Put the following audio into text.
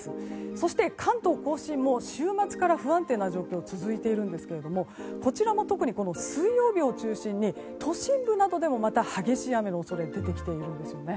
そして、関東・甲信も週末から不安定な状況続いているんですけどこちらも特に水曜日を中心に都心部でもまた激しい雨の恐れが出てきているんです。